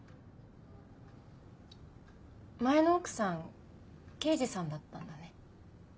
前の奥さん刑事さんだったんだね。